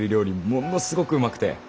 ものすごくうまくて。